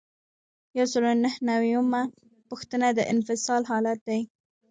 یو سل او نهه نوي یمه پوښتنه د انفصال حالت دی.